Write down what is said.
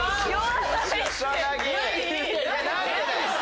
草薙！